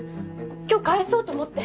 今日返そうと思って。